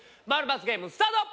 ○×ゲームスタート！